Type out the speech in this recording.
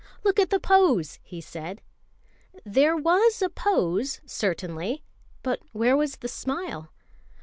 "Look at the pose!" he said. There was pose certainly, but where was the smile?